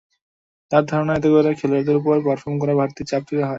তাঁর ধারণা, এতে করে খেলোয়াড়দের ওপর পারফর্ম করার বাড়তি চাপ তৈরি হয়।